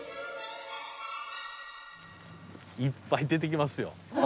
いっぱい出てきますよ